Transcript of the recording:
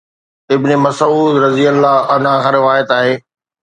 ابن مسعود (رضي الله عنه) کان روايت آهي.